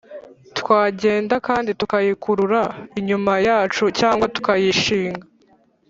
Twagenda kandi tukayikurura inyuma yacu cyangwa tukayishinga;